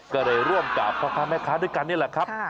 ก็เลยร่วมกับพ่อค้าแม่ค้าด้วยกันนี่แหละครับ